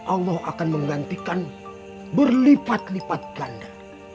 allah akan menggantikan berlipat lipat ganda